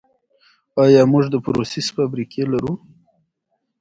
آیا موږ د پروسس فابریکې لرو؟